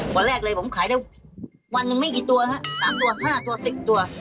วันแรกเลยผมขายได้วันหนึ่งไม่กี่ตัวฮะ๓ตัว๕ตัว๑๐ตัว